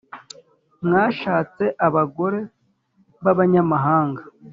mwashatse abagore b abanyamahanga